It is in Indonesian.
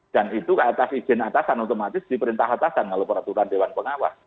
dan itu atas izin atasan otomatis diperintah atasan kalau peraturan dewan pengawas